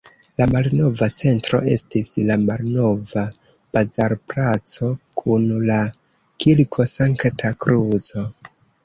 La malnova centro estis la Malnova bazarplaco kun la Kirko Sankta Kruco.